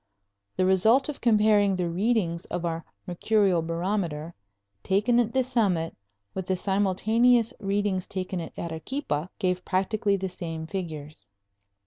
The result of comparing the readings of our mercurial barometer, taken at the summit, with the simultaneous readings taken at Arequipa gave practically the same figures.